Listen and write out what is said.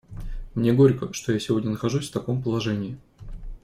Мне горько, что я сегодня нахожусь в таком положении.